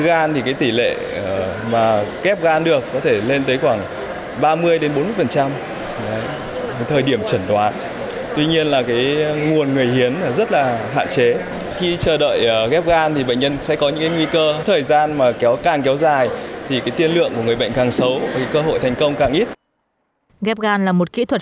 ghép gan là một kỹ thuật phức tạp nhất trong chuyên ngành tiêu hóa gan mật